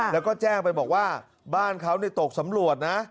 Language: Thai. แล้วก็แจ้งไปบอกว่าบ้านเขาตกสำรวจนะ